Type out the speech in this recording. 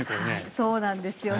そうなんですよ。